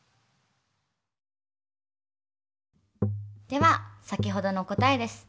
では先ほどの答えです。